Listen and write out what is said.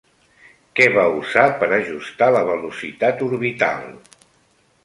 Què va usar per ajustar la velocitat orbital?